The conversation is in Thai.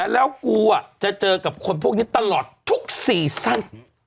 แล้วกูจะเจอกับคนพวกนี้ตลอดทุกซีซั่น